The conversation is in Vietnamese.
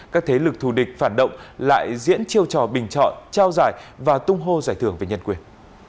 các thế lực thù địch phản động lại diễn chiêu trò bình chọn trao giải và tung hô giải thưởng về nhân quyền